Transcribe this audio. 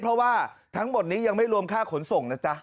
เพราะว่าทั้งหมดนี้ยังไม่รวมค่าขนส่งนะจ๊ะ